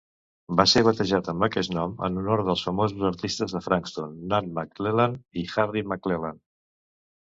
Va ser batejat amb aquest nom en honor dels famosos artistes de Frankston, Nan McClelland i Harry McClelland.